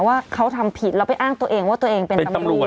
ว่าเขาทำผิดเราไปอ้างตัวเองว่าตัวเองเป็นตำรวจเป็นตำรวจ